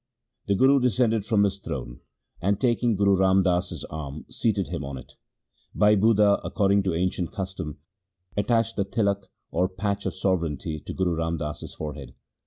The Guru descended from his throne and, taking Guru Ram Das's arm, seated him on it. Bhai Budha, according to ancient custom, attached the tilak or patch of sovereignty to Guru Ram Das's forehead.